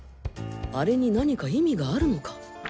あれに何か意味があるのか？